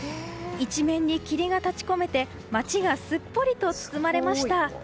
一面に霧が立ち込めて街がすっぽりと包まれました。